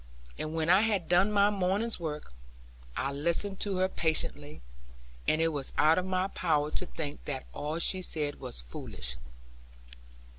And when I had done my morning's work, I listened to her patiently; and it was out of my power to think that all she said was foolish.